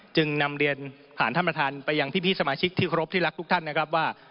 จึงนำเรียนผ่านท่านประธานไปยังพี่สมาชิกที่ครบที่รักทุกท่านนะครับว่า